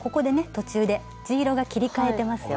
途中で地色が切りかえてますよね。